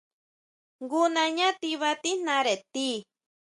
Jngu nañá tiba tíjnare ti.